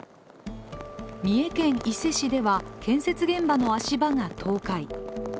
三重県伊勢市では建設現場の足場が倒壊。